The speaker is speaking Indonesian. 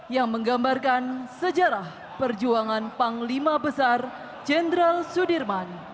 yang menggambarkan sejarah perjuangan panglima besar jenderal sudirman